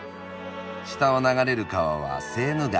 下を流れる川はセーヌ川。